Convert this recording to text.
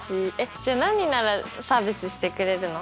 じゃ何ならサービスしてくれるの？